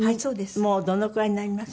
もうどのくらいになります？